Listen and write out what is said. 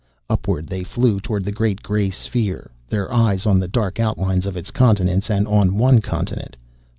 Upward they flew toward the great gray sphere, their eyes on the dark outlines of its continents and on one continent.